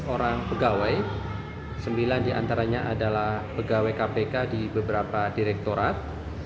empat belas orang pegawai sembilan diantaranya adalah pegawai kpk di beberapa direktorat